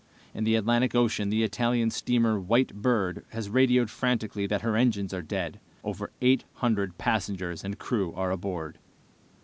In the Atlantic Ocean the Italian steamer White Bird has radioed frantically that her engines are dead. Over eight hundred passengers and crew are aboard.